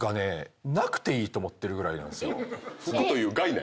服という概念？